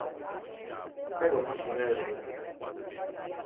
Pega meu chinelo menina.